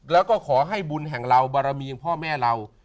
แล้วก็ขอให้บุญแห่งเราบารมีอย่างพ่อแม่เรา